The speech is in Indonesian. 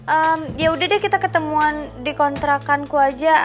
ehm ya udah deh kita ketemuan di kontrakan ku aja